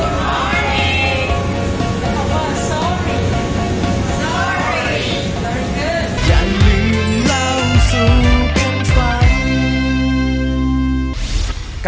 อย่าลืมเล่าสูงแรกควัน